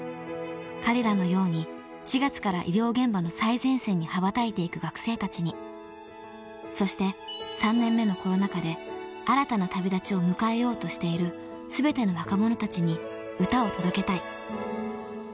［彼らのように４月から医療現場の最前線に羽ばたいていく学生たちにそして３年目のコロナ禍で新たな旅立ちを迎えようとしている全ての若者たちに歌を届けたい］